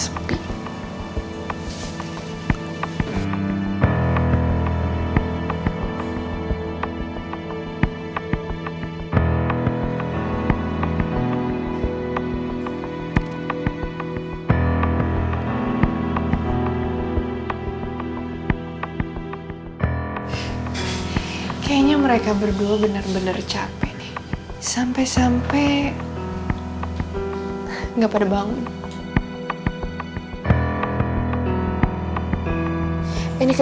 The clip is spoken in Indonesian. sampai jumpa di video selanjutnya